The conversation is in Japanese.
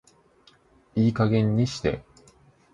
いい加減にして